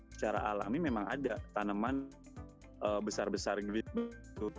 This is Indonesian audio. secara alami memang ada tanaman besar besar gitu